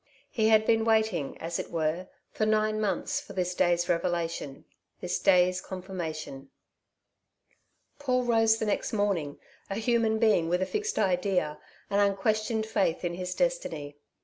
He had been waiting, as it were, for nine months for this day's revelation, this day's confirmation. Paul rose the next morning, a human being with a fixed idea, an unquestioned faith in his destiny.